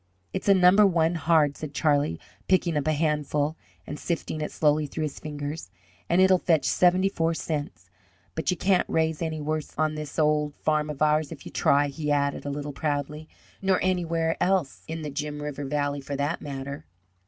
"It's A number one hard," said Charlie, picking up a handful and sifting it slowly through his fingers, "and it'll fetch seventy four cents. But you can't raise any worse on this old farm of ours if you try," he added, a little proudly. "Nor anywhere else in the Jim River Valley, for that matter."